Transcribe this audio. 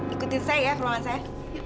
ikutin saya ya ke ruangan saya